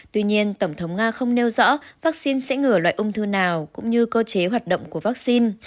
tuy nhiên tổng thống nga không nêu rõ vắc xin sẽ ngửa loại ung thư nào cũng như cơ chế hoạt động của vắc xin